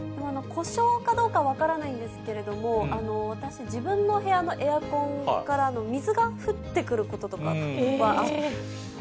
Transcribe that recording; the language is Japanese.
故障かどうか分からないですけれども、私、自分の部屋のエアコンから水が降ってくることとかがあって。